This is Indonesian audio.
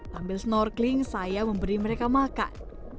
sambil snorkeling saya memberi mereka makan